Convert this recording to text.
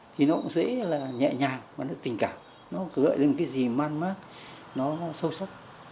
thế là nhẹ nhàng và nó tình cảm nó cứ gợi đến cái gì man mát nó sâu sắc